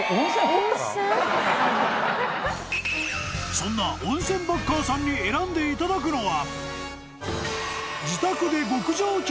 ［そんな温泉バッカーさんに選んでいただくのは］